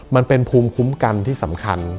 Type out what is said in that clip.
มันเป็นภูมิคุ้มกันที่สำคัญ